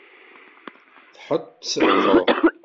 Tḥettdeḍ?